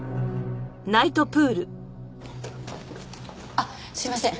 あっすいません。